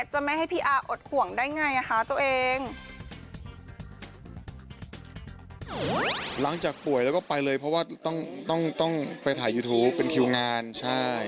หลังจากป่วยแล้วก็ไปเลยเพราะว่าต้องไปถ่ายยูทูปเป็นคิวงานใช่